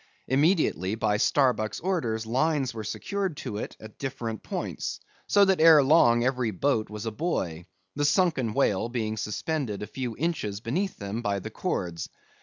Immediately, by Starbuck's orders, lines were secured to it at different points, so that ere long every boat was a buoy; the sunken whale being suspended a few inches beneath them by the cords.